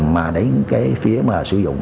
mà đến cái phía mà sử dụng